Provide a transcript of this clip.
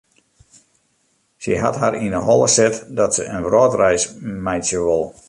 Sy hat har yn 'e holle set dat se in wrâldreis meitsje wol.